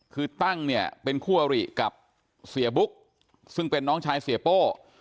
คือตั้งเนี่ยเป็นคู่อริกับเสียบุ๊กซึ่งเป็นน้องชายเสียโป้